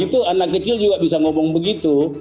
itu anak kecil juga bisa ngomong begitu